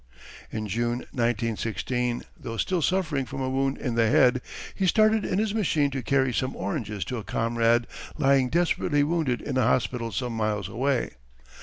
In June, 1916, though still suffering from a wound in the head, he started in his machine to carry some oranges to a comrade lying desperately wounded in a hospital some miles away.